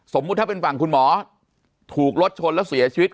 สมมุติถ้าเป็นฝั่งคุณหมอถูกรถชนแล้วเสียชีวิต